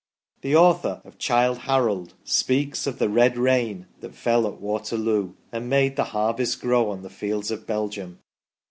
fi The author of " Childe Harolci" speaks of the " red rain " that fell at Waterloo, and " made the harvest grow " on the fields of Belgium.